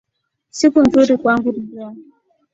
Siku nzuri kwangu ni leo